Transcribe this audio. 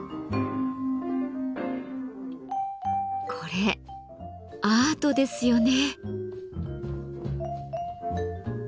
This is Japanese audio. これアートですよね。